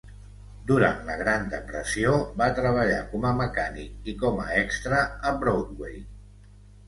Durant la Gran Depressió va treballar com a mecànic i com a extra a Broadway.